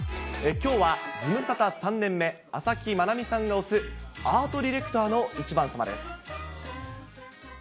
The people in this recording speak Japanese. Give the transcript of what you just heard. きょうは、ズムサタ３年目、朝木愛実さんが推すアートディレクターの１番さまです。